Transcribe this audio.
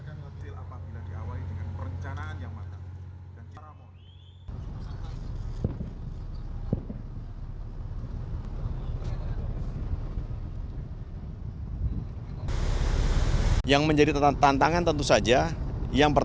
kami berada di jawa timur di mana kami berada di jawa timur